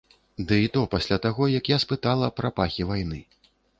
Дый то пасля таго, як я спытала пра пахі вайны.